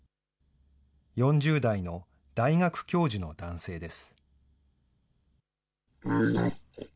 ４０代の大学教授の男性です。